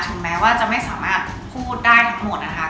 แม้ว่าจะไม่สามารถพูดได้ทั้งหมดนะคะ